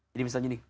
jadi misalnya nih